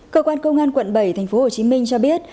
cơ quan công an quận bảy tp hcm cho biết